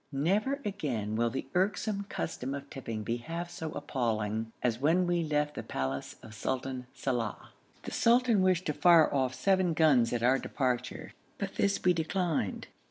Never again will the irksome custom of tipping be half so appalling as when we left the palace of Sultan Salàh. The sultan wished to fire off seven guns at our departure, but this we declined.